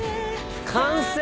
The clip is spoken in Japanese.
完成！